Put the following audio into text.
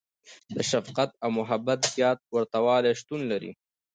• د شفقت او محبت زیات ورتهوالی شتون لري.